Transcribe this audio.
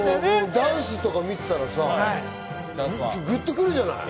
ダンスとか見てたらさ、グッとくるじゃない。